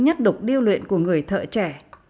nhắt đục điêu luyện của người thợ trẻ